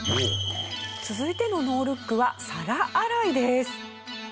続いてのノールックは皿洗いです。